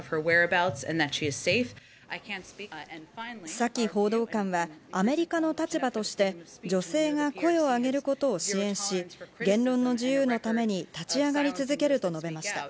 サキ報道官はアメリカの立場として、女性が声をあげることを支援し、言論の自由のために立ち上がり続けると述べました。